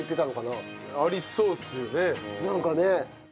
なんかね。